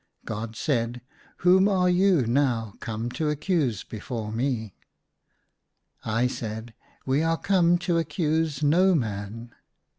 God said, " Whom are you now come to accuse before me ?" 1 said, *'We are come to accuse no man."